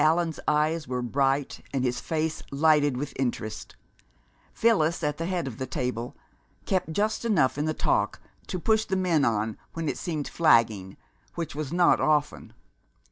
Allan's eyes were bright and his face lighted with interest. Phyllis, at the head of the table, kept just enough in the talk to push the men on when it seemed flagging, which was not often.